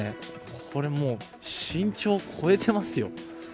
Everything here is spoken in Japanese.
これ身長、超えてますよ。